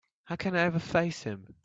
How can I ever face him?